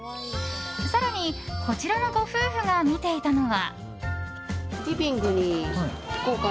更に、こちらのご夫婦が見ていたのは。